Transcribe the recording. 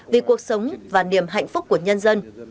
vì cuộc sống và niềm hạnh phúc của nhân dân